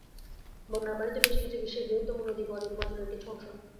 বন্যার পানিতে ভেসে গেছে বিশ্বের বৃহত্তম নদী বদ্বীপ মাজুলীর কিছু অংশ।